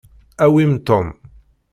Awim Tom.